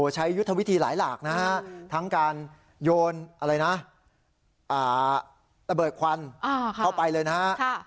ยุทธวิธีหลายหลากนะฮะทั้งการโยนอะไรนะระเบิดควันเข้าไปเลยนะฮะ